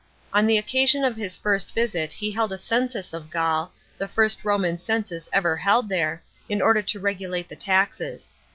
On the occasion of his first visit he held a census of Gaul, the first Roman census ever held there, in order to regulate the taxes.